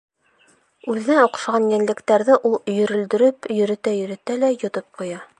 Үҙенә оҡшаған йәнлектәрҙе ул өйөрөлдөрөп йөрөтә-йөрөтә лә йотоп ҡуя.